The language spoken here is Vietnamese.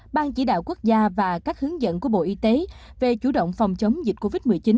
ban chỉ đạo quốc gia và các hướng dẫn của bộ y tế về chủ động phòng chống dịch covid một mươi chín